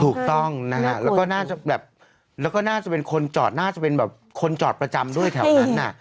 ถูกต้องแล้วก็น่าจะเป็นคนจอดประจำด้วยแถวนั้นน่ะ